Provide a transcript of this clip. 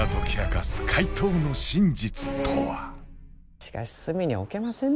しかし隅に置けませんね